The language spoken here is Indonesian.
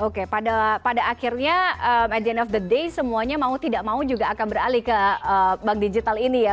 oke pada akhirnya at the end of the day semuanya mau tidak mau juga akan beralih ke bank digital ini ya